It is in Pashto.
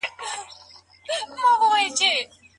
حکومت د شومو تصميمونو مخنيوی وکړ.